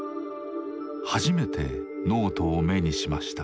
初めてノートを目にしました。